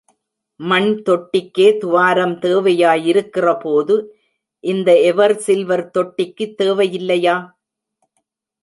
மண் தொட்டிக்கே துவாரம் தேவையாயிருக்கிற போது, இந்த எவர் சில்வர் தொட்டிக்குத் தேவையில்லையா?